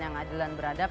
yang adilan beradab